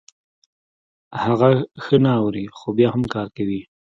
هغه ښه نه اوري خو بيا هم کار کوي.